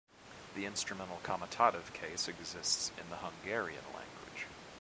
The instrumental-comitative case exists in the Hungarian language.